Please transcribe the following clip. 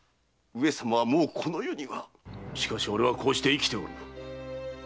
しかし俺はこうして生きておる。